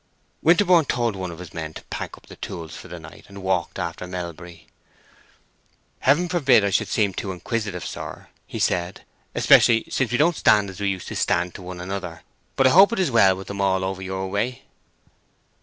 Winterborne told one of his men to pack up the tools for the night and walked after Melbury. "Heaven forbid that I should seem too inquisitive, sir," he said, "especially since we don't stand as we used to stand to one another; but I hope it is well with them all over your way?"